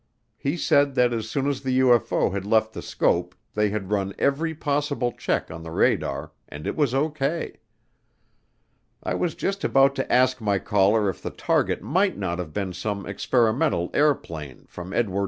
He said that as soon as the UFO had left the scope they had run every possible check on the radar and it was O.K. I was just about to ask my caller if the target might not have been some experimental airplane from Edwards AFB when he second guessed me.